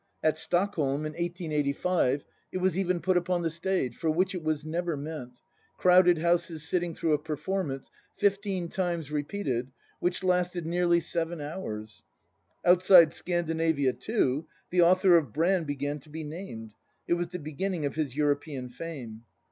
At Stockholm, in 1885, it was even put upon the stage, for which it was never meant, crowded houses sitting through a performance, fifteen times re peated, which lasted nearly seven hours. Outside Scan dinavia, too, the author of Brand began to be named; it was the beginning of his European fame.